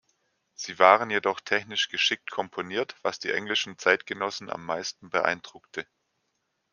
Sie waren jedoch technisch geschickt komponiert, was die englischen Zeitgenossen am meisten beeindruckte.